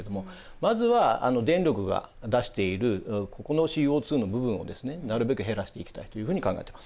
まずは電力が出しているここのＣＯの部分をですねなるべく減らしていきたいというふうに考えています。